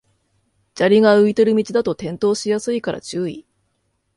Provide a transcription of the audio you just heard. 砂利が浮いてる道だと転倒しやすいから注意